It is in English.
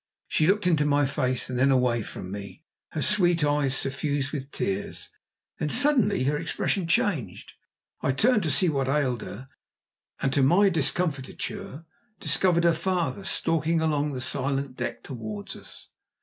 She looked into my face and then away from me, her sweet eyes suffused with tears, then suddenly her expression changed. I turned to see what ailed her, and to my discomfiture discovered her father stalking along the silent deck towards us.